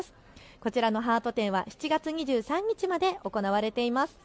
こちらのハート展は７月２３日まで行われています。